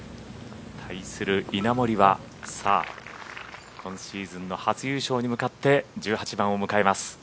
対する稲森は今シーズンの初優勝に向かって１８番を迎えます。